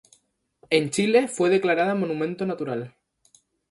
En Chile fue declarada Monumento Natural.